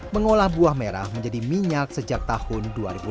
mengolah buah merah menjadi minyak sejak tahun dua ribu enam belas